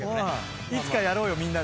いつかやろうよみんなで。